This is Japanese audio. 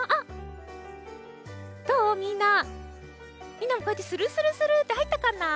みんなもこうやってスルスルスルッてはいったかな？